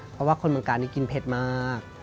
เพราะว่าคนเมืองกาลนี้กินเผ็ดมาก